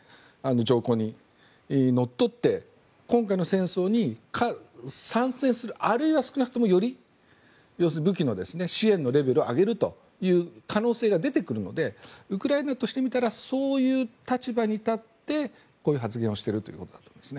条項にのっとって今回の戦争に賛成するあるいは少なくとも、より要するに武器の支援のレベルを上げるという可能性が出てくるのでウクライナとしてみたらそういう立場に立ってこういう発言をしているということだと思います。